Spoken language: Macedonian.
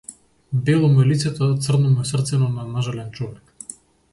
Бело му е лицето, а црно му е срцено на нажален човек.